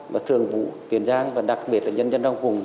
và thường vụ tiền giang và đặc biệt là nhân dân trong vùng